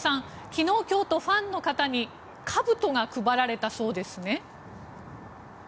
昨日、今日とファンの方にかぶとが配られたそうですね。